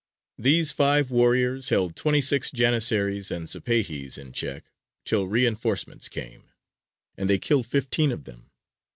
These five warriors held twenty six Janissaries and Sipāhis in check till reinforcements came; and they killed fifteen of them.